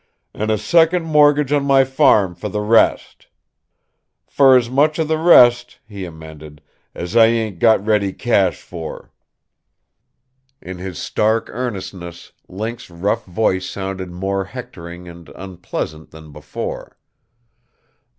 An' a second mortgage on my farm fer the rest. Fer as much of the rest," he amended, "as I ain't got ready cash for." In his stark earnestness, Link's rough voice sounded more hectoring and unpleasant than before.